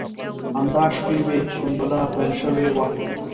همدا شپې وې سنبله پیل شوې وه.